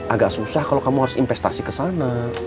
agak susah kalo kamu harus investasi kesana